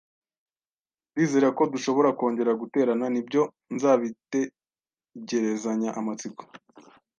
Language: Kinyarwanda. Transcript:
Ndizera ko dushobora kongera guterana. Nibyo, nzabitegerezanya amatsiko.